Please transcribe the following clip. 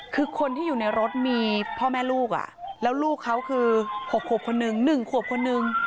คือคนที่อยู่ในรถมีพ่อแม่ลูกแล้วลูกเขาคือ๖ขวบคนนึง๑ขวบคนนึง